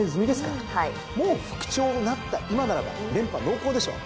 もう復調になった今ならば連覇濃厚でしょう！